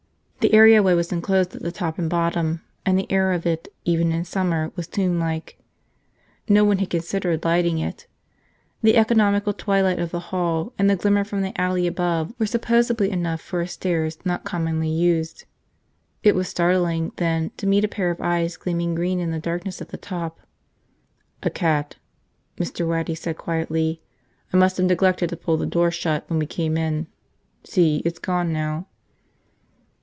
The areaway was enclosed at the top and bottom, and the air of it even in summer was tomblike. No one had considered lighting it. The economical twilight of the hall and the glimmer from the alley above were supposedly enough for a stairs not commonly used. It was startling, then, to meet a pair of eyes gleaming green in the darkness at the top. "A cat," Mr. Waddy said quietly. "I must have neglected to pull the door shut when we came in. See, it's gone now."